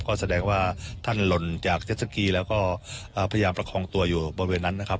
ก็แสดงว่าท่านหล่นจากเจ็ดสกีแล้วก็พยายามประคองตัวอยู่บริเวณนั้นนะครับ